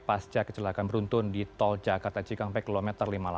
pasca kecelakaan beruntun di tol jakarta cikampek kilometer lima puluh delapan